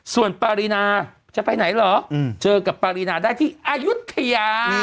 ส่วนปารีนาจะไปไหนเหรอเจอกับปารีนาได้ที่อายุทยา